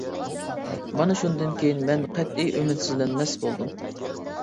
مانا شۇندىن كېيىن مەن قەتئىي ئۈمىدسىزلەنمەس بولدۇم.